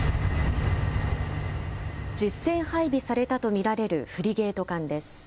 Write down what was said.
実戦配備されたとみられるフリゲート艦です。